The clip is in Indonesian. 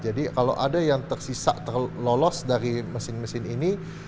jadi kalau ada yang tersisa terlolos dari mesin mesin ini